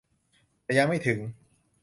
แต่ยังไม่ถึง